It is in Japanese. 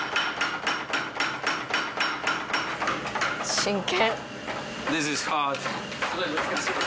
真剣。